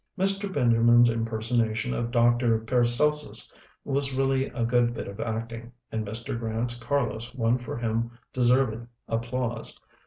"Mr. Benjamin's impersonation of 'Dr. Paracelsus' was really a good bit of acting, and Mr. Grant's 'Carlos' won for him deserved applause.